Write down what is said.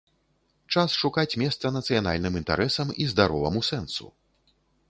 Час шукаць месца нацыянальным інтарэсам і здароваму сэнсу.